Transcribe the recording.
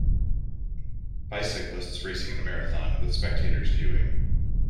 Bicyclists racing in a marathon with spectators viewing.